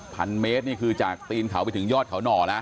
ครับ๑๐๐๐เมตรนี่คือจากตีนเขาไปถึงยอดเขาหน่อนะ